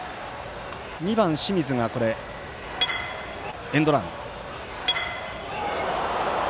２番、清水がエンドラン。